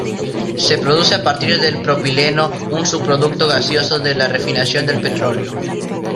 Se produce a partir del propileno, un subproducto gaseoso de la refinación del petróleo.